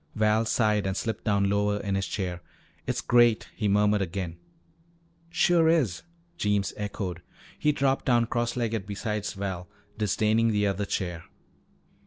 Val sighed and slipped down lower in his chair. "It's great," he murmured again. "Sure is," Jeems echoed. He dropped down cross legged beside Val, disdaining the other chair.